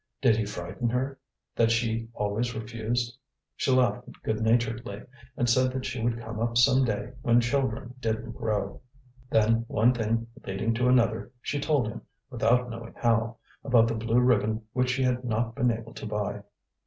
Did he frighten her, that she always refused? She laughed good naturedly, and said that she would come up some day when children didn't grow. Then, one thing leading to another, she told him, without knowing how, about the blue ribbon which she had not been able to buy.